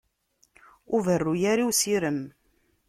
Ur berru ara i usirem.